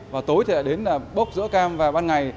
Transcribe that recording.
và tối thì đến bốc giữa cam và bán ngày